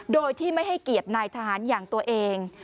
โดยที่ไม่ให้เกียรตินายทหารอย่างตัวเอง